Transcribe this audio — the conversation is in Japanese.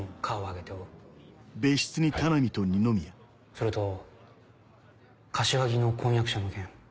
それと柏木の婚約者の件。